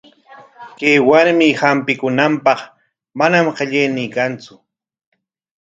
Kay warmi hampikunanpaq manam qillaynin kantsu.